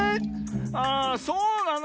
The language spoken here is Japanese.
あらそうなの。